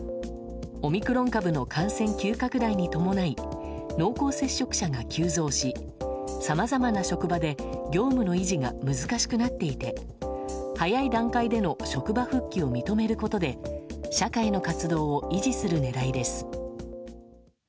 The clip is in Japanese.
オミクロン株の感染急拡大に伴い濃厚接触者が急増しさまざまな職場で業務の維持が難しくなっていて早い段階での職場復帰を認めることで社会の活動を維持する狙いです。